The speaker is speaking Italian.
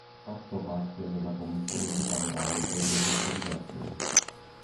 Ha fatto parte della Commissione bicamerale per le Semplificazioni.